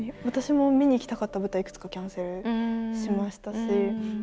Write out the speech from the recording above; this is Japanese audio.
私も見に行きたかった舞台いくつかキャンセルしましたし。